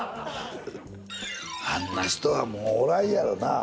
あんな人はもうおらんやろな。